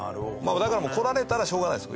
だから来られたら、しょうがないです。